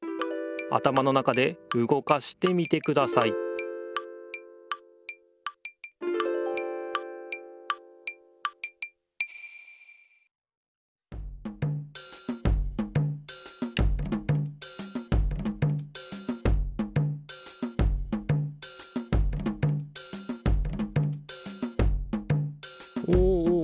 あたまの中でうごかしてみてくださいおおおお。